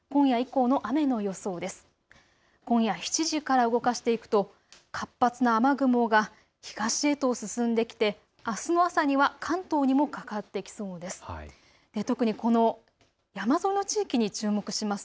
今夜７時から動かしていくと活発な雨雲が東へと進んできてあすの朝には関東にもかかってきそうです。